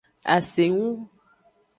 Asengu.